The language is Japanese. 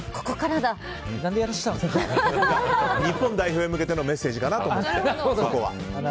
日本代表に向けてのメッセージかなと思って。